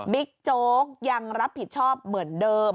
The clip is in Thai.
โจ๊กยังรับผิดชอบเหมือนเดิม